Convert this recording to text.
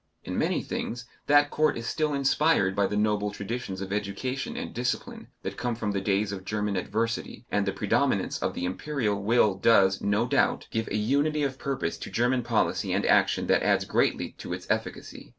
In many things that court is still inspired by the noble traditions of education and discipline that come from the days of German adversity, and the predominance of the Imperial will does, no doubt, give a unity of purpose to German policy and action that adds greatly to its efficacy.